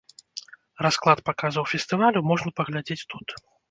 Расклад паказаў фестывалю можна паглядзець тут.